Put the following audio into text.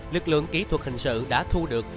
lực lượng kỹ thuật hình sự đã thu được